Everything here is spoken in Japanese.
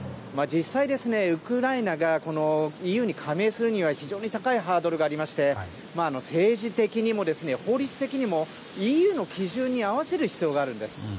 実際、ウクライナがＥＵに加盟するには非常に高いハードルがありまして政治的にも法律的にもＥＵの基準に合わせる必要があるんです。